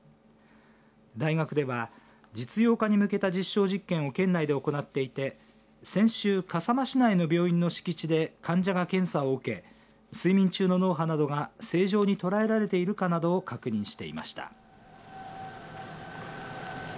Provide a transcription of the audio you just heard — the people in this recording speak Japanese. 大学では実用化に向けた実証実験を県内で行っていて先週、笠間市内の病院の敷地で患者が検査を受け睡眠中の脳波などが正常に捉えられているかなどを確認していました。